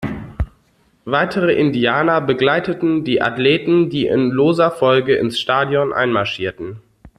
Weitere Indianer begleiteten die Athleten, die in loser Folge ins Stadion einmarschierten.